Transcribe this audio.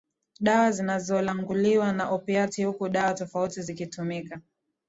dawa zinazolanguliwa za opiati huku dawa tofauti zikitumika